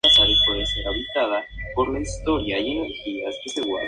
En la actualidad el programa sigue activo, aunque solamente vía Internet.